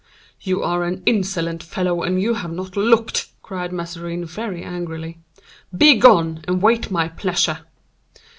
"You are an insolent fellow, and you have not looked," cried Mazarin, very angrily; "begone and wait my pleasure."